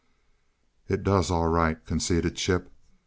"It does, all right," conceded Chip.